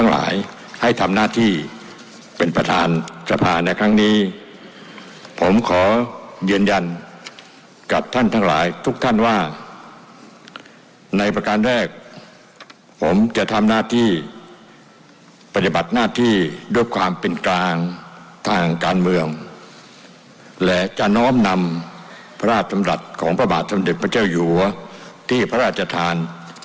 และจะน้อมนำพระราชสำรัจของพระบาทสมเด็จพระเจ้าอยู่หัวที่พระราชทาน